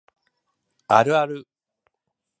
あるある